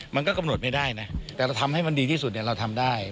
มันก็กำหนดไม่ได้นะแต่เราทำให้มันดีที่สุดเราทำได้